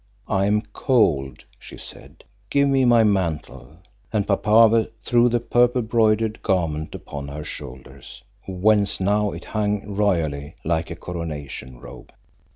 "I am cold," she said, "give me my mantle," and Papave threw the purple broidered garment upon her shoulders, whence now it hung royally, like a coronation robe.